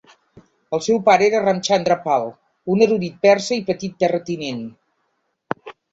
El seu pare era Ramchandra Pal, un erudit persa i petit terratinent.